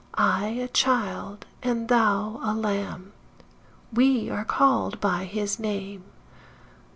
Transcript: I a child, & thou a lamb, We are called by his name.